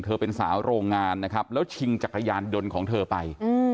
เธอเป็นสาวโรงงานนะครับแล้วชิงจักรยานยนต์ของเธอไป